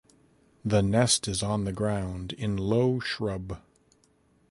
The nest is on the ground in low shrub.